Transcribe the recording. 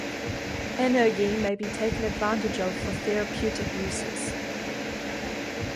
Anergy may be taken advantage of for therapeutic uses.